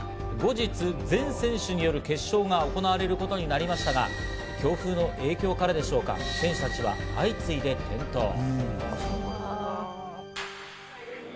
後日、全選手による決勝が行われることになりましたが、強風の影響からでしょうか、選手たちは相次いで転倒。